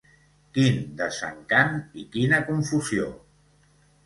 Quin desencant i quina confusió!